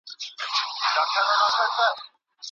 ماشوم ته باور ورکړئ چې هغه ارزښت لري.